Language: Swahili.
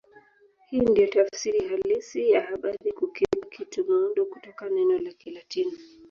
Hii ndiyo tafsiri halisi ya habari kukipa kitu muundo kutoka neno la Kilatini